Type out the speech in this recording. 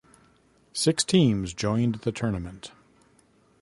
Six teams joined the tournament.